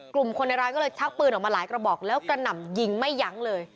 กลุ่มคนในร้านก็เลยชักปืนออกมาหลายกระบอกแล้วกระหน่ำยิงไม่ยั้งเลย